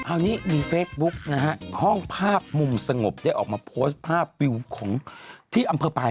คราวนี้มีเฟซบุ๊กนะฮะห้องภาพมุมสงบได้ออกมาโพสต์ภาพวิวของที่อำเภอปลาย